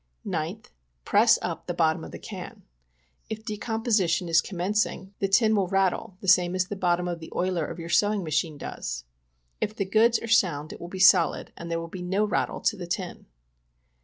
9th. Press up the bottom of the can ; if decomposition is <}ommencing, the tin will rattle the same as the bottom of the oiler of your sewing machine does. If the goods are f30und it will be solid, and there will be no rattle to the tin.